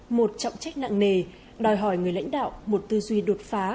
một trọng trách nặng nề đòi hỏi người lãnh đạo một tư duy đột phá